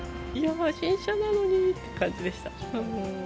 新車なのにって感じでした。